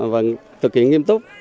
và thực hiện nghiêm túc